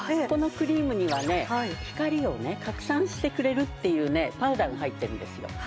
このクリームにはね光を拡散してくれるっていうねパウダーが入ってるんですよ。